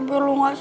dia sudah selesai